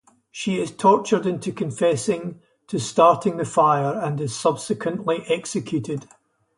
She is tortured into confessing to starting the fire and is subsequently executed.